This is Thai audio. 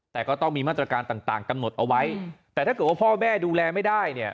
แต่ก็ต้องมีมาตรการต่างกำหนดเอาไว้แต่ถ้าเกิดว่าพ่อแม่ดูแลไม่ได้เนี่ย